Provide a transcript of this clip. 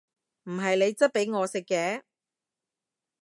唔係你質俾我食嘅！